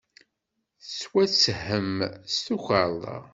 Tettwatthem s tukerḍa.